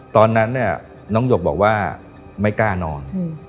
ตอนนั้นเนี่ยน้องหยกบอกว่าไม่กล้านอน